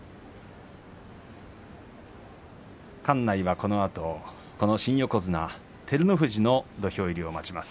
このあとは館内新横綱照ノ富士の土俵入りを待ちます。